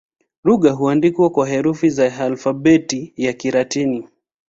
Lugha huandikwa na herufi za Alfabeti ya Kilatini.